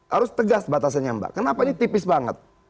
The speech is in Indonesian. harus tegas batasannya mbak kenapa ini tipis banget